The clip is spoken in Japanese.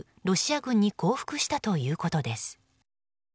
ロシア軍に降伏したということです。